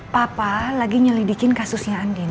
papa lagi nyelidikin kasusnya andin